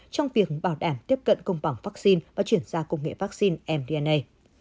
trong việc bảo đảm tiếp cận công bằng vaccine và chuyển ra công nghệ vaccine mdna